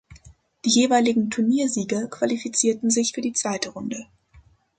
Die jeweiligen Turniersieger qualifizierten sich für die zweite Runde.